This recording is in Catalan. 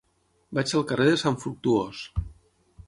Vaig al carrer de Sant Fructuós.